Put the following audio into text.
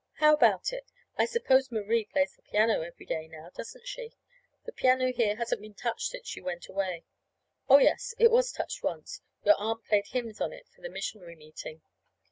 How about it? I suppose Marie plays the piano every day now, doesn't she? The piano here hasn't been touched since you went away. Oh, yes, it was touched once. Your aunt played hymns on it for a missionary meeting.